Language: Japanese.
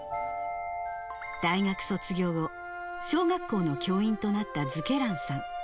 大学卒業後、小学校の教員となった瑞慶覧さん。